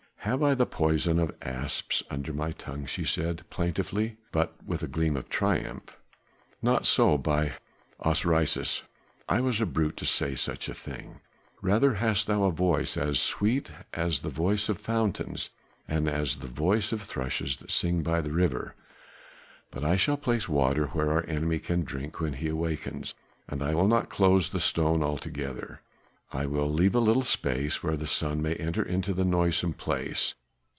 "Have I the poison of asps under my tongue?" she said plaintively, but with a gleam of triumph. "Not so, by Osiris, I was a brute to say such a thing. Rather hast thou a voice as sweet as the voice of fountains and as the voice of thrushes that sing by the river. But I shall place water where our enemy can drink when he awakens; and I will not close the stone altogether, I will leave a little space where the sun may enter into that noisome place.